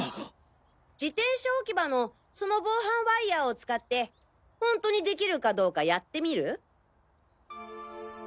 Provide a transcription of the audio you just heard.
自転車置き場のその防犯ワイヤーを使ってホントにできるかどうかやってみる？